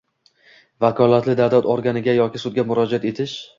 vakolatli davlat organiga yoki sudga murojaat etish;